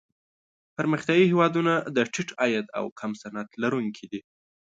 پرمختیايي هېوادونه د ټیټ عاید او کم صنعت لرونکي دي.